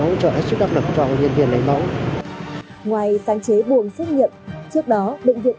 đạt được sức đáp lực cho nhân viên lấy mẫu ngoài sáng chế buồng xếp nhiệm trước đó bệnh viện